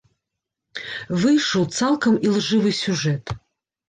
Выйшаў цалкам ілжывы сюжэт.